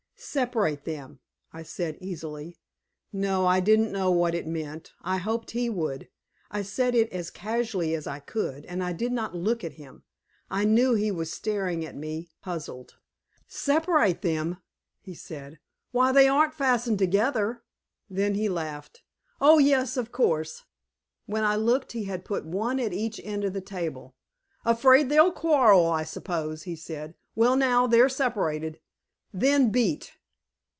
"Separate them," I said easily. No, I didn't know what it meant. I hoped he would; I said it as casually as I could, and I did not look at him. I knew he was staring at me, puzzled. "Separate them!" he said. "Why, they aren't fastened together!" Then he laughed. "Oh, yes, of course!" When I looked he had put one at each end of the table. "Afraid they'll quarrel, I suppose," he said. "Well, now they're separated." "Then beat."